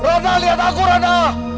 rana lihat aku rana